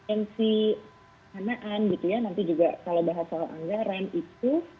mc hanaan gitu ya nanti juga kalau bahas soal anggaran itu